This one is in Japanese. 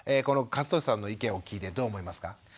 この和俊さんの意見を聞いてどう思いますか？